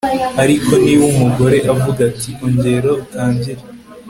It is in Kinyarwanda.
ariko niba umugore avuga ati ongera utangire